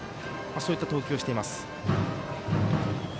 そういった投球をしています。